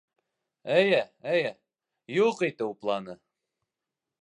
Эйе, эйе, юҡ итеү планы.